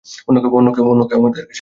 অন্য কেউ আমাকে সাহায্য করতে পারে না।